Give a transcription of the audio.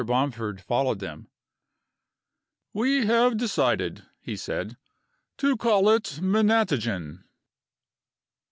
Bomford followed them. "We have decided," he said, "to call it Menatogen."